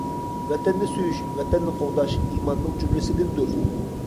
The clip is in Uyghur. ۋەتەننى سۆيۈش، ۋەتەننى قوغداش ئىماننىڭ جۈملىسىدىندۇر.